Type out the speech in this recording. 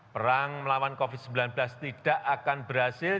perang melawan covid sembilan belas tidak akan berhasil